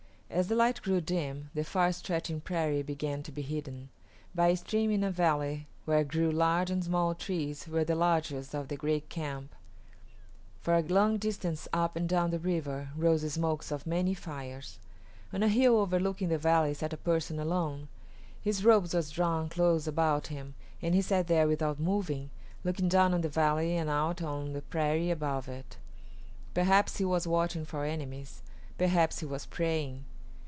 As the light grew dim, the far stretching prairie began to be hidden. By a stream in a valley where grew large and small trees were the lodges of a great camp. For a long distance up and down the river rose the smokes of many fires. On a hill overlooking the valley sat a person alone. His robe was drawn close about him, and he sat there without moving, looking down on the valley and out on the prairie above it. Perhaps he was watching for enemies; perhaps he was praying.